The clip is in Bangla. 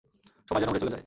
সময় যেন উড়ে চলে যায়।